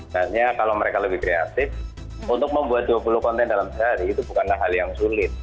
hanya kalau mereka lebih kreatif untuk membuat dua puluh konten dalam sehari itu bukanlah hal yang sulit